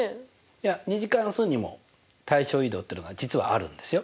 いや２次関数にも対称移動っていうのが実はあるんですよ。